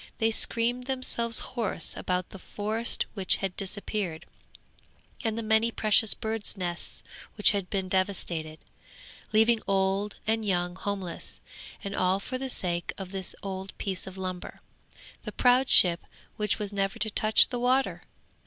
They screamed themselves hoarse about the forest which had disappeared, and the many precious birds' nests which had been devastated, leaving old and young homeless; and all for the sake of this old piece of lumber, the proud ship which was never to touch the water!